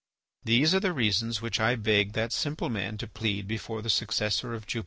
These are the reasons which I begged that simple man to plead before the successor of Jupiter."